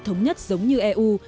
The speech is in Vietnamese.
thống nhất giống như eu